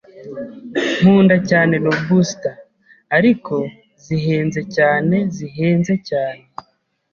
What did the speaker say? Nkunda cyane lobsters, ariko zihenze cyane, zihenze cyane.